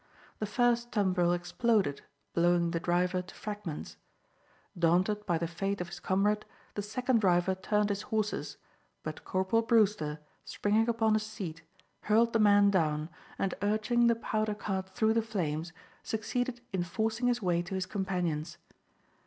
The first tumbril exploded, blowing the driver to fragments. Daunted by the fate of his comrade, the second driver turned his horses, but Corporal Brewster, springing upon his seat, hurled the man down, and urging the powder cart through the flames, succeeded in forcing his way to his companions.